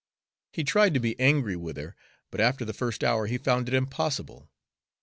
He tried to be angry with her, but after the first hour he found it impossible.